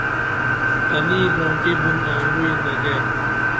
تنی گرانٹی بُن آنگعوی نگے